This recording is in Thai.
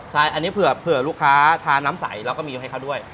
ใช่อันนี้เผื่อลูกค้าทานน้ำใสแล้วก็มีให้เขาด้วย